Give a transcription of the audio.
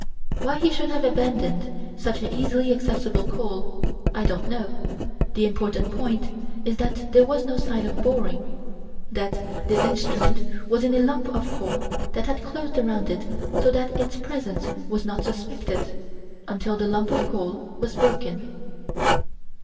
Why he should have abandoned such easily accessible coal, I don't know. The important point is that there was no sign of boring: that this instrument was in a lump of coal that had closed around it so that its presence was not suspected, until the lump of coal was broken.